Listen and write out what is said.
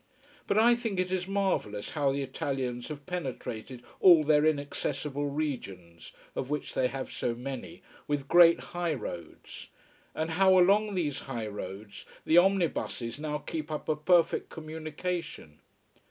But I think it is marvellous how the Italians have penetrated all their inaccessible regions, of which they have so many, with great high roads: and how along these high roads the omnibuses now keep up a perfect communication.